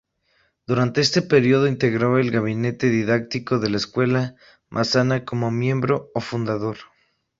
Durante este período, integró el gabinete didáctico de la Escuela Massana como miembro fundador.